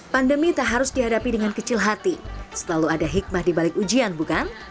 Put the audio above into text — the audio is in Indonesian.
pandemi tak harus dihadapi dengan kecil hati selalu ada hikmah dibalik ujian bukan